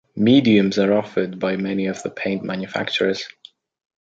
Mediums are offered by many of the paint manufacturers.